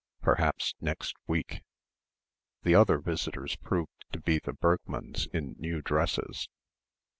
Perhaps next week.... The other visitors proved to be the Bergmanns in new dresses.